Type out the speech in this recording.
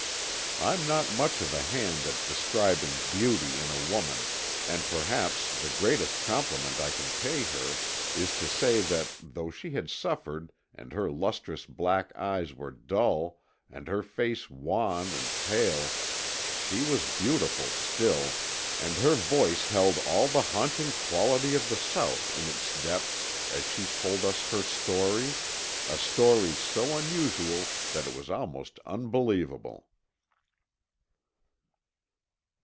I'm not much of a hand at describing beauty in a woman, and perhaps the greatest compliment I can pay her is to say that though she had suffered and her lustrous black eyes were dull and her face wan and pale, she was beautiful still, and her voice held all the haunting quality of the South in its depths as she told us her story, a story so unusual that it was almost unbelievable.